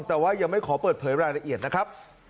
แต่ว่ายังไม่ขอเปิดเผยรายละเอียดนะครับ